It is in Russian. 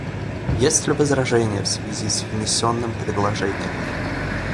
Есть ли возражения в связи с внесенным предложением?